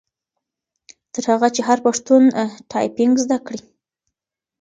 تر هغه چي هر پښتون ټایپنګ زده کړي.